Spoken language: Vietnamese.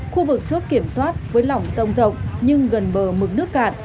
khu vực chốt kiểm soát với lỏng sông rộng nhưng gần bờ mực nước cạn